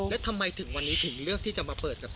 แล้วทำไมถึงวันนี้ถึงเลือกที่จะมาเปิดกับ